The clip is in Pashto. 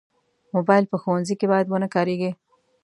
موبایل په ښوونځي کې باید ونه کارېږي.